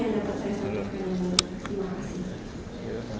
ada satu orang bernama